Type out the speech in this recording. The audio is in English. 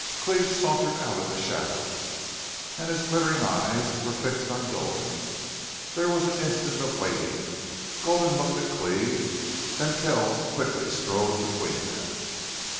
Cleve sauntered out of the shadow, and his glittering eyes were fixed on Gulden. There was an instant of waiting. Gulden looked at Cleve. Then Kells quickly strode between them.